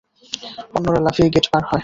অন্যরা লাফিয়ে গেট পার হয়।